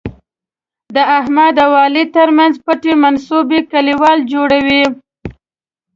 د احمد او علي تر منځ پټې منصوبې کلیوال جوړوي.